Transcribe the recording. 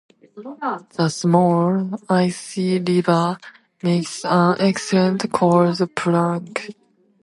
The small, icy river makes an excellent cold plunge.